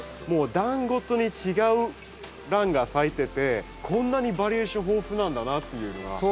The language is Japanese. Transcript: もう段ごとに違うランが咲いててこんなにバリエーション豊富なんだなっていうのが。